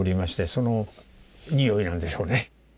その臭いなんでしょうね。